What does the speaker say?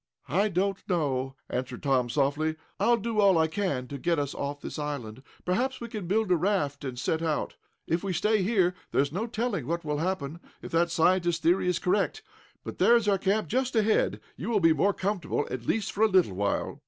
"I don't know," answered Tom, softly. "I'll do all I can to get us off this island. Perhaps we can build a raft, and set out. If we stay here there is no telling what will happen, if that scientist's theory is correct. But there is our camp, just ahead. You will be more comfortable, at least for a little while."